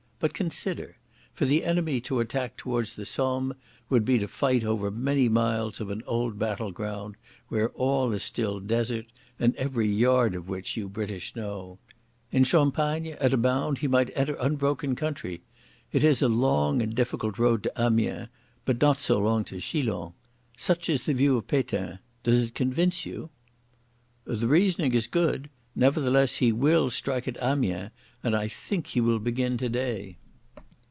"But consider. For the enemy to attack towards the Somme would be to fight over many miles of an old battle ground where all is still desert and every yard of which you British know. In Champagne at a bound he might enter unbroken country. It is a long and difficult road to Amiens, but not so long to Chilons. Such is the view of Pétain. Does it convince you?" "The reasoning is good. Nevertheless he will strike at Amiens, and I think he will begin today."